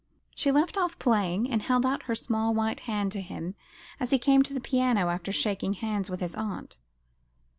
She left off playing, and held out her small white hand to him as he came to the piano, after shaking hands with his aunt.